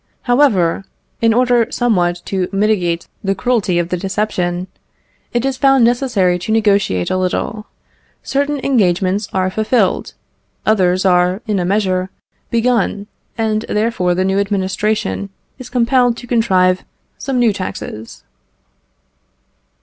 However, in order somewhat to mitigate the cruelty of the deception, it is found necessary to negotiate a little. Certain engagements are fulfilled, others are, in a measure, begun, and therefore the new administration is compelled to contrive some new taxes.